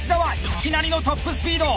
いきなりのトップスピード！